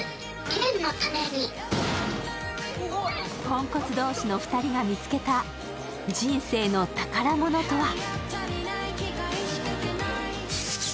ポンコツ同士の２人が見つけた人生の宝物とは？